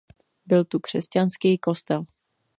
Byl tu křesťanský kostel.